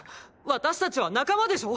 私たちは仲間でしょう